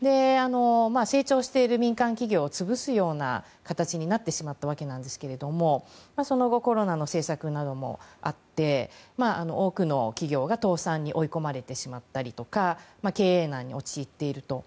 成長している民間企業を潰すような形になってしまったわけですけどもその後コロナの政策などもあって多くの企業が倒産に追い込まれてしまったりとか経営難に陥っていると。